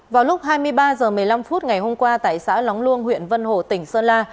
vào lúc hai mươi ba h một mươi năm phút ngày hôm qua tại xã lóng luông huyện vân hồ tỉnh sơn la